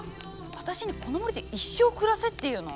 私にこの森で一生暮らせっていうの？